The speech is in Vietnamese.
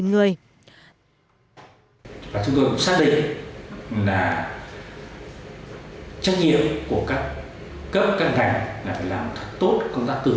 chúng tôi cũng xác định là trách nhiệm của các cấp cân thành là làm thật tốt công tác tư thưởng